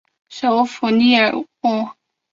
首府利沃夫。